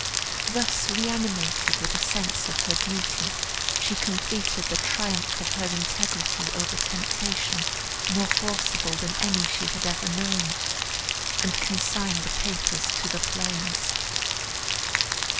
Thus reanimated with a sense of her duty, she completed the triumph of her integrity over temptation, more forcible than any she had ever known, and consigned the papers to the flames.